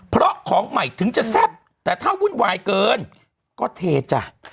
เพราะของใหม่ถึงจะแซ่บแต่ถ้าวุ่นวายเกินก็เทจ้ะ